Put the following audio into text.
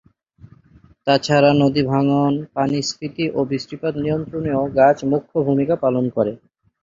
তাছাড়া নদী ভাঙন, পানি স্ফীতি ও বৃষ্টিপাত নিয়ন্ত্রণেও গাছ মুখ্য ভূমিকা পালন করে।